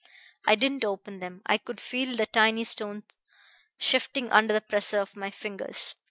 I didn't open them; I could feel the tiny stones shifting under the pressure of my fingers.